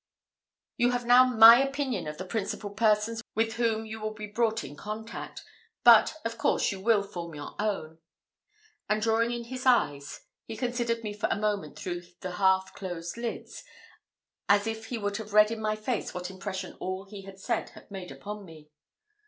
You have now my opinion of the principal persons with whom you will be brought in contact, but of course you will form your own;" and drawing in his eyes, he considered me for a moment through the half closed lids, as if he would have read in my face what impression all he had said had made upon me.